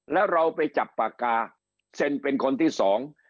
แล้วเราไปจับปากกาเซ็นเป็นคนที่สอง